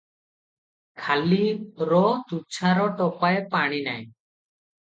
ଖାଲି – ର – ତୁଚ୍ଛା – ର ଟୋପାଏ ପାଣି ନାହିଁ।